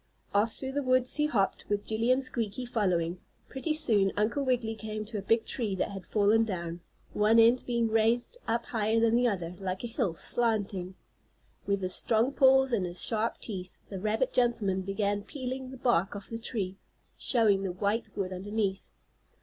Off through the woods he hopped, with Jillie and Squeaky following. Pretty soon Uncle Wiggily came to a big tree that had fallen down, one end being raised up higher than the other, like a hill, slanting. With his strong paws and his sharp teeth, the rabbit gentleman began peeling the bark off the tree, showing the white wood underneath.